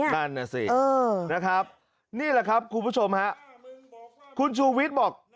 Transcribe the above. นั่นน่ะสินะครับนี่แหละครับคุณผู้ชมฮะคุณชูวิทย์บอก